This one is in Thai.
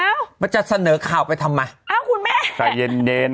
มันจะเสนอข่าวไปทำไมอ้าวคุณแม่ใจเย็นเย็น